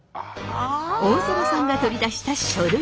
大空さんが取り出した書類。